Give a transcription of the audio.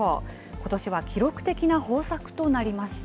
ことしは記録的な豊作となりました。